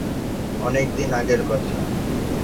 অনেক দিন আগের কথা।